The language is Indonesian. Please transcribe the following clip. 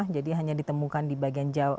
jadi hanya ditemukan di bagian